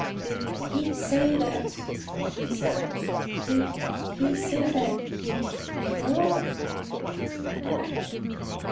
"Did he say that " she said, "did he say that he'd kill